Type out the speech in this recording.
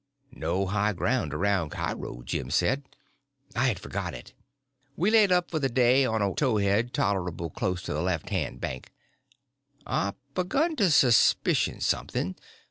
No high ground about Cairo, Jim said. I had forgot it. We laid up for the day on a towhead tolerable close to the left hand bank. I begun to suspicion something.